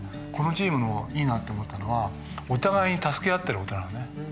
このチームのいいなって思ったのはお互いに助け合ってる事なのね。